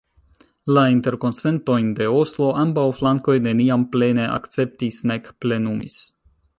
La Interkonsentojn de Oslo ambaŭ flankoj neniam plene akceptis nek plenumis.